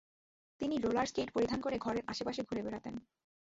তিনি roller skate পরিধান করে ঘরের আশপাশে ঘুরে বেড়াতেন ।